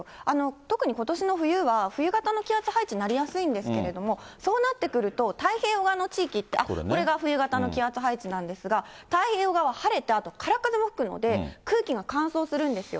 特にことしの冬は冬型の気圧配置になりやすいんですけれども、そうなってくると、太平洋側の地域って、あっ、これが冬型の気圧配置なんですが、太平洋側晴れて、あと、空っ風も吹くので、空気が乾燥するんですよ。